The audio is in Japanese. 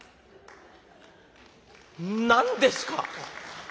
「何ですか？」。